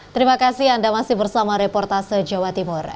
terima kasih anda masih bersama reportase jawa timur